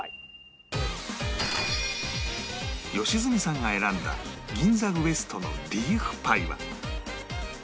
良純さんが選んだ銀座ウエストのリーフパイは